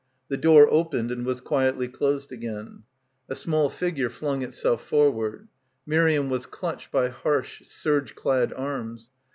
The door opened and was quietly closed again. A small figure — 114 — BACKWATER flung itself forward. Miriam was clutched by harsh serge clad arms.